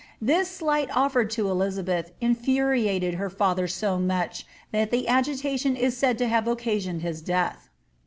This slight o&red to Elizabeth infuriated her &ther so much thai the agitation is said to hare occasioned his death.'